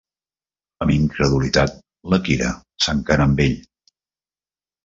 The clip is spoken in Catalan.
Amb incredulitat, la Kira s'encara amb ell.